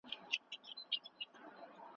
قدرت